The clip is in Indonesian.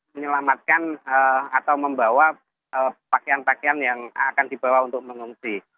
menyelamatkan atau membawa pakaian pakaian yang akan dibawa untuk mengungsi